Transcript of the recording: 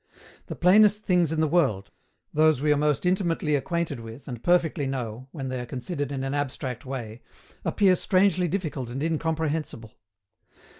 The plainest things in the world, those we are most intimately acquainted with and perfectly know, when they are considered in an abstract way, appear strangely difficult and incomprehensible.